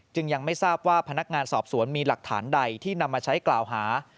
ยังไม่ทราบว่าพนักงานสอบสวนมีหลักฐานใดที่นำมาใช้กล่าวหา